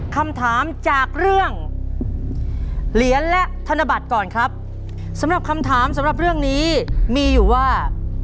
คำถามจากเรื่องเหรียญและธนบัตรก่อนครับสำหรับคำถามสำหรับเรื่องนี้มีอยู่ว่า